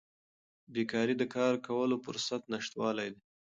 بیکاري د کار کولو فرصت نشتوالی دی.